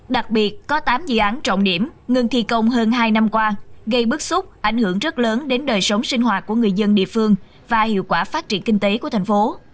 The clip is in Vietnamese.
đặc biệt có tám dự án trọng điểm ngừng thi công hơn hai năm qua gây bức xúc ảnh hưởng rất lớn đến đời sống sinh hoạt của người dân địa phương và hiệu quả phát triển kinh tế của thành phố